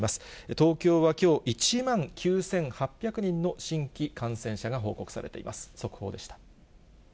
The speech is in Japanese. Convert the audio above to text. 東京はきょう、１万９８００人の新規感染者が報告されています。